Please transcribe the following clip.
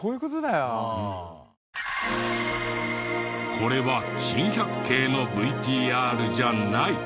これは『珍百景』のＶＴＲじゃない。